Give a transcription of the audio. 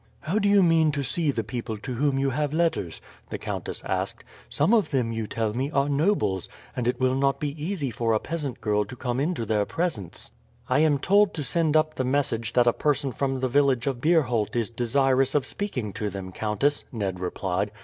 "How do you mean to see the people to whom you have letters?" the countess asked. "Some of them, you tell me, are nobles, and it will not be easy for a peasant girl to come into their presence." "I am told to send up the message that a person from the village of Beerholt is desirous of speaking to them, countess," Ned replied.